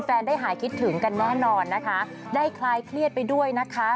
ได้หายคิดถึงกันแน่นอนนะคะได้คลายเครียดไปด้วยนะคะ